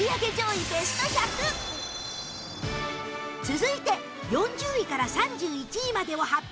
続いて４０位から３１位までを発表